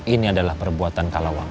ini adalah perbuatan kalawaksa